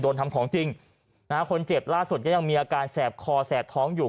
ทำของจริงนะฮะคนเจ็บล่าสุดก็ยังมีอาการแสบคอแสบท้องอยู่